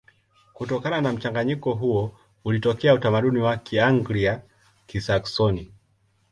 Kutokana na mchanganyiko huo ulitokea utamaduni wa Kianglia-Kisaksoni.